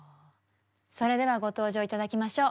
それではご登場頂きましょう。